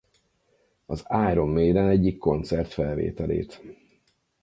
Az Iron Maiden egyik koncertfelvételét.